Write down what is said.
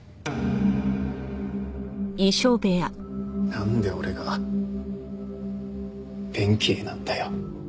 なんで俺が弁慶なんだよ。